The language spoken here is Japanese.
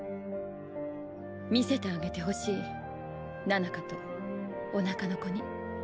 見せてあげてほしい菜々香とおなかの子に